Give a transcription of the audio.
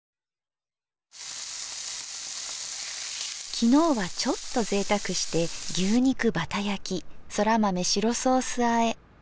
昨日はちょっと贅沢して牛肉バタ焼きそら豆白ソースあえ。